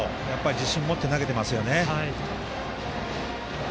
自信を持って投げていますよね。